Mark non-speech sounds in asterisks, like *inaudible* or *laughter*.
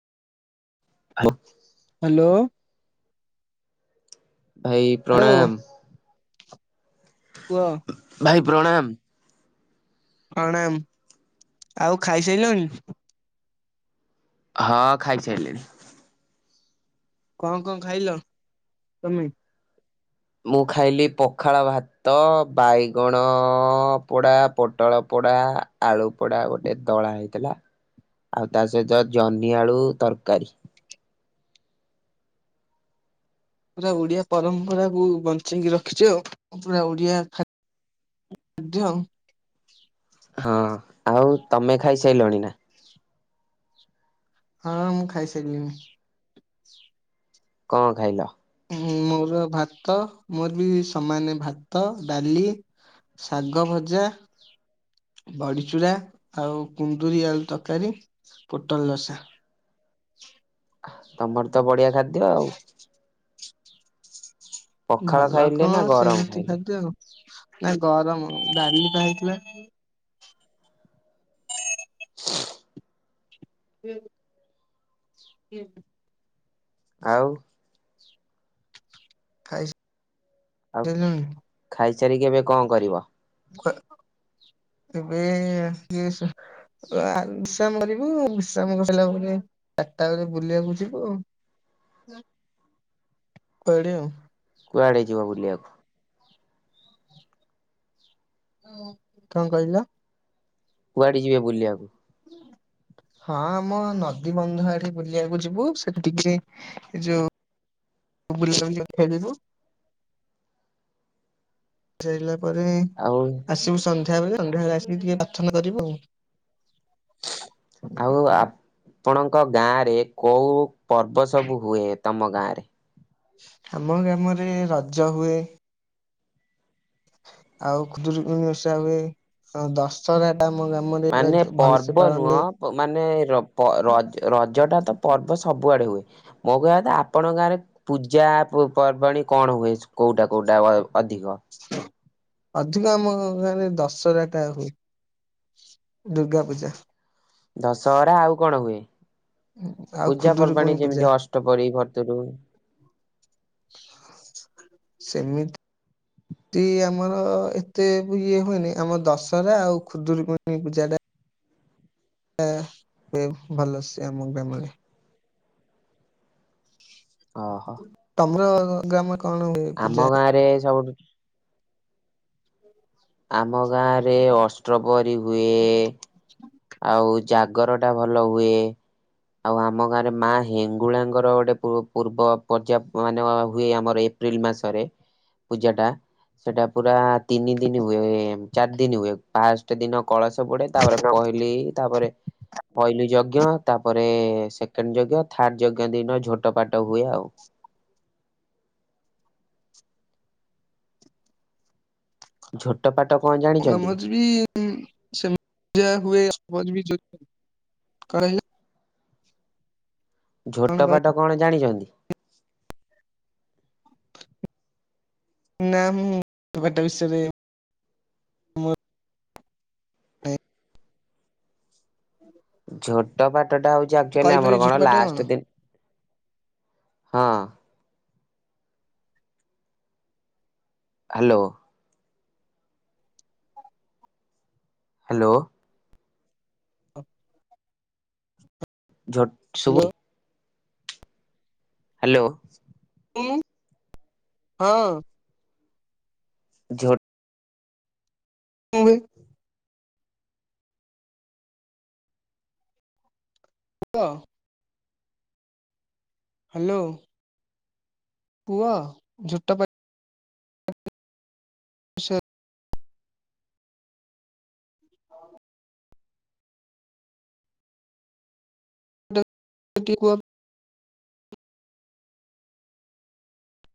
Hello hello. ଭାଇ hello ପ୍ରଣାମ। *unintelligible* କୁହ। ଭାଇ ପ୍ରଣାମ। ପ୍ରଣାମ ଆଉ ଖାଇସାଇଲଣି? ହଁ ଖାଇସାଇଲିଣି। କଣ କଣ ଖାଇଲ ତମେ। ମୁଁ ଖାଇଲି ପଖାଳ ଭାତ ବାଇଗଣଅ ପୋଡ଼ା ପୋଟଳ ପୋଡ଼ା ଆଳୁ ପୋଡ଼ା ଗୋଟେ ଦଳା ହେଇଥିଲା ଆଉ ତା ସହିତ ଜହ୍ନି ଆଳୁ ତରକାରୀ । ପୁରା ଓଡିଆ ପରମ୍ପରାକୁୁ ବଞ୍ଚେଇକି ରଖିଛି ଆଉ ପୁରା ଓଡିଆା ଖାଦ୍ୟ ଆଉ *unintelligible* ହଁ ଆଉ ତମେ ଖାଇସାଇଲଣି ନା? ହଁ ମୁଁ ଖାଇସାଇଲିି । କଁ ଖାଇଲ? ମୁଁ ମୋର ଭାତ ମୋର ବି ସମାନେ ଭାତ ଡାଲି ଶାଗ ଭଜା ବଡିଚୂୁରା ଆଉ କୁନ୍ଦୁରି ଆଳୁ ତରକାରୀ ପୋଟଲ ଲସା। ତମର ତ ବଢିଆ ଖାଦ୍ୟ ଆଉ ପଖାଳ ଭଲ ଖାଇଲେ କ‍ଅଁ ନା ଗରମ ସେମିତି ଖାଇଲେ? ଖାଦ୍ୟ ନା ଗରମ ଡାଲି ପା ହେଇଥିଲା । *inaudible* ହୁଁ ହୁଁ *unintelligible* ଆଉ ଖାଇଶ ହେଲୁଣି। ପଚାରିକି ଏବେ କଣ କରିବ? ଏବେ ଆସ୍ଲୁ ୟା ବିଶ୍ରାମ କରିବୁ ବିଶ୍ରାମ ସାରିଲା ପରେ ଚାରିଟା ବେଳେ ବୁଲିବାକୁ ଯିବୁ ଆଉ କହିଲି ଆଉ *unintelligible* କୁଆଡେ ଯିବ। ଲିଆକୁ। କଣ କହିଲ *unintelligible* କୁଆଡେ ଯିବେ ବୁଲିବାକୁ? ହଁ ଆମ ନଦୀ ବନ୍ଧ ଆଡେ ବୁଲିଆକୁ ଯିବୁ ସେଠିକି ଏ ଯୋଉ ବୁଲାବଲିଖଳିବୁ ସେଇିଲ ପରେ ଆଉ ଆସିବୁ ସନ୍ଧ୍ୟା ସନ୍ଧ୍ୟା ବେଳେ ସନ୍ଧ୍ୟା ବେଳେ ଆସିକି ଟିକେ ପ୍ରାର୍ଥନା କରିବ ଆଉ। ଆଉ ଆ ଆପଣଙ୍କ ଗାଁ ରେ କୋଉ ପର୍ବ ସବୁ ହୁଏ ତମ ଗାଁ ରେ ଆମ ଗ୍ରାମରେ ରଜ ହୁଏ। ଆଉ ଖୁଦୁରିକୁଣି ଓଷା ହୁଏ ହଁ ଦଶ ମାନେ ପର୍ବ ନୁହଁ ମାନେ ରପ ରଜ୍ ରଜ ଟା ତ ପର୍ବ ସବୁଆଡେ ହୁଏ। ମୋ କହିବାତା ଆପଣଙ୍କ ଗାଁରେ ପୂଜା ପର୍ବାଣୀ କଣ ହୁଏ କୋଉଟା କୋଉଟା ଅଧିକ? ଅଧିକ ଆମ ଗାରେ ଦଶରା ଟା ହୁଏ ଦୁର୍ଗା ପୂଜା। ଦଶହରା ଆଉ କଣ ହୁଏ? ଆଉ ପୂଜା ଖୁଦୁରୁକୁଣୀ ପର୍ବାଣୀ ପୂଜା ଯେମିତି ଅଷ୍ଟ ପରୀ ଭରତରୁ ସେମିତି ଆମର ଏତେ ଇଏ ହୁଏନି ଆମର ଦଶହରା ଆଉ ଖୁଦୁରୀକୁଣ ପୂଜା ଟା ଆ ଭଲ ସେ ଆମ ଗ୍ରାମରେ ହ ହୋ। ତମର ଗ୍ରାମ କଣ ହୁଏ ଆମ ପୂଜା? ଗାଁ ରେ ସବୁଠ ଆମ ଗାଁ ରେ ଅଷ୍ଟ୍ରପରିୀ ହୁଏ। ଆଉ ଜାଗର ଟା ଭଲ ହୁଏ ଆଉ ଆମ ଗାଁରେ ମା ହେଙ୍ଗୁଳାଙ୍କର ଗୋଟେ ପୂର୍ବ ପର୍ଯ୍ୟାପ୍ତ ମାନେ ହୁଏ ଆମର ଏପ୍ରିଲ ମାସରେ ପୂଜା ଟା ସେଟା ପୁରା ତିନି ଦିନ ହୁଏ ଚାରି ଦିନ ହୁଏ ପାଞ୍ଚ ଦିନ କଳସ ସବୁେ ତା କହିଲି ତାପରେ ପହିଲି ଯଜ୍ଞ ତାପରେ ସେକେଣ୍ଡ ଯଜ୍ଞ ଥାର୍ଡ ଯଜ୍ଞ ଦିନ ଝୋଟପାଟ ହୁଏ ଆଉ। ଝୋଟପଟ ସମ ବି ସେ ଯା ହୁଏ ବି *inaudible* କଣ ଝୋଟ କହି ବାଟ କଣ ଜାଣିଛନ୍ତି? *inaudible* ନାମଟା ବିଷରେ *inaudible* ଝୋଟ ବାଟ ଟା ହଉଛି ଆଚୁଆ ଆମର କହିପାରିବି କଣ ଝୋଟପାଟ ଲାଷ୍ଟ ଦିନ ହଁ। ହ୍ୟାଲୋ। ହ୍ୟାଲୋ। *inaudible* ଝୋଟ୍ ହ୍ୟାଲୋ ଶୁଭୁଚି ହାଲୋ। ଉଁ ହଁ। ଝୋ *inaudible* ହାଲୋ ହାଲୋ। ପୁଅ ଝୋଟ ପ *inaudible* ହଁ ହଁ। *inaudible* କୁହ